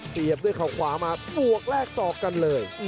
เสียบด้วยเขาขวามาบวกแลกศอกกันเลย